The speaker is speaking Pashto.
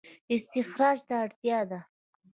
استخراج ته اړتیا ده